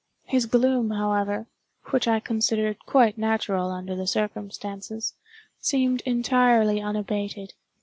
His gloom, however (which I considered quite natural under the circumstances), seemed entirely unabated.